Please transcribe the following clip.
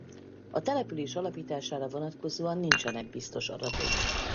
A település alapítására vonatkozóan nincsenek biztos adatok.